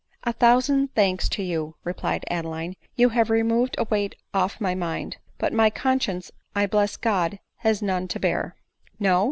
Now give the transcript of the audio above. "A thousand thanks to you," replied Adeline; "you have removed a weight off my mind ; but my conscience, I bless God has none to bear." " No